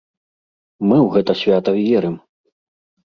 Мы ў гэта свята верым!